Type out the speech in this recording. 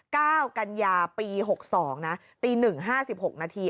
กัญญาปีหกสองนะตีหนึ่งห้าสิบหกนาที